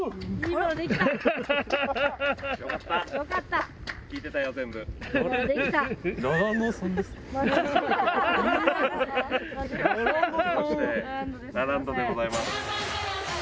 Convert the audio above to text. ラランドでございます。